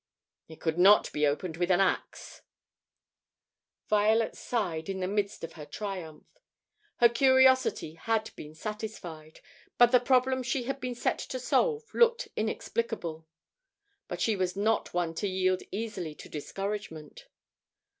"It could not be opened with an axe." Violet sighed in the midst of her triumph. Her curiosity had been satisfied, but the problem she had been set to solve looked inexplicable. But she was not one to yield easily to discouragement.